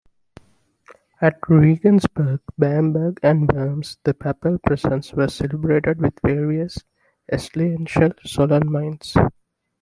At Regensburg, Bamberg and Worms, the papal presence was celebrated with various ecclesiastical solemnities.